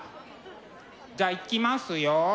じゃあいきますよ。